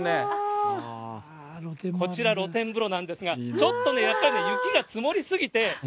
こちら、露天風呂なんですが、ちょっとね、やっぱり雪が積もり過ぎて。